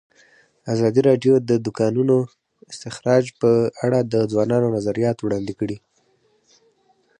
ازادي راډیو د د کانونو استخراج په اړه د ځوانانو نظریات وړاندې کړي.